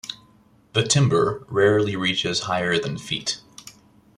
The timber rarely reaches higher than feet.